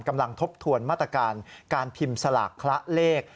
ทบทวนมาตรการการพิมพ์สลากคละเลข